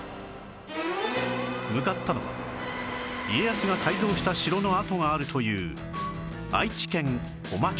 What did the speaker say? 向かったのは家康が改造した城の跡があるという